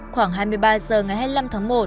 khoảng hai mươi ba h ngày hai mươi năm tháng một